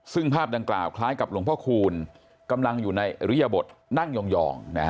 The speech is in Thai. ซึ่งภาพดังกล่าวคล้ายกับหลวงพ่อคูณกำลังอยู่ในอริยบทนั่งยอง